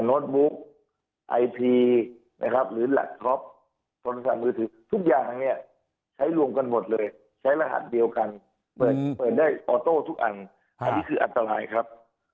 ออโต้ทุกอันอันนี้คืออันตรายครับ